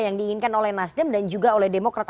yang diinginkan oleh nasdem dan juga oleh demokrat